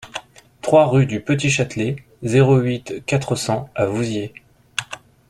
trois rue du Petit Châtelet, zéro huit, quatre cents à Vouziers